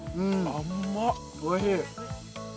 おいしい。